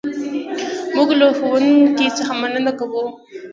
موږ له ښوونکي څخه مننه کوو.